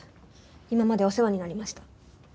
今までお世話になりました。